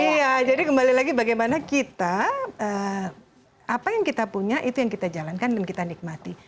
iya jadi kembali lagi bagaimana kita apa yang kita punya itu yang kita jalankan dan kita nikmati